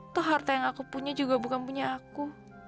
tuh harta yang aku punya juga bukan punya aku